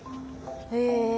へえ。